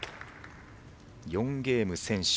４ゲーム先取。